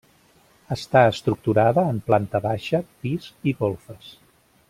Està estructurada en planta baixa, pis i golfes.